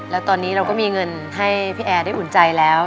แล้วตอนนี้เราก็มีเงินให้พี่แอร์ได้อุ่นใจแล้ว